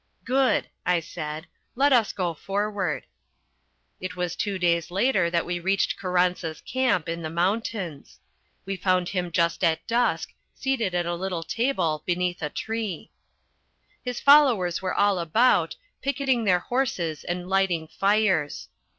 "Good," I said. "Let us go forward." It was two days later that we reached Carranza's camp in the mountains. We found him just at dusk seated at a little table beneath a tree. His followers were all about, picketing their horses and lighting fires.